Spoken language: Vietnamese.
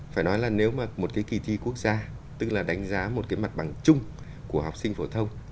phải nói là nếu mà một cái kỳ thi quốc gia tức là đánh giá một cái mặt bằng chung của học sinh phổ thông